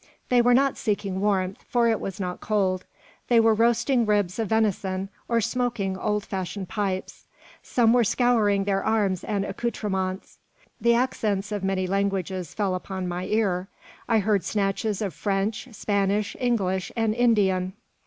They were not seeking warmth, for it was not cold. They were roasting ribs of venison, or smoking odd fashioned pipes. Some were scouring their arms and accoutrements. The accents of many languages fell upon my ear. I heard snatches of French, Spanish, English, and Indian.